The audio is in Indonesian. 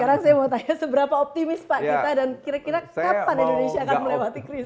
sekarang saya mau tanya seberapa optimis pak kita dan kira kira kapan indonesia akan melewati krisis